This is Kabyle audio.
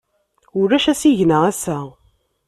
Ulac asigna ass-a.